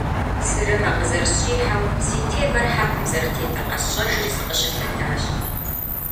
Сырымэ къызэрысщӏихьэу, си тебэр хьэкум зэрытетыр къэсщӏэжри, сыкъыщылъэтащ.